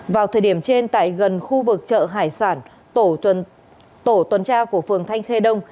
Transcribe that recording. vào thời điểm trên tại gần khu vực chợ hải sản tổ tuần tra của phường thanh khê đông